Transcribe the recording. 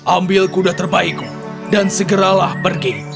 ambil kuda terbaikku dan segeralah pergi